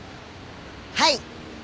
はい。